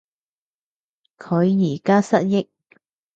佢而家失憶